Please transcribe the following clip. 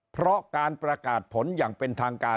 เพราะการประกาศผลอย่างเป็นทางการ